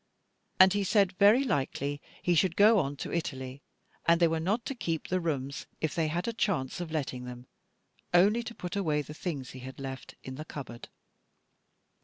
And he said very likely he should go on to Italy; and they were not to keep the rooms, if they had a chance of letting them, only to put away the things he had left, in the cupboard.